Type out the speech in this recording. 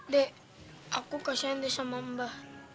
dek aku kasihan deh sama mbah